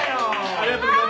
ありがとうございます。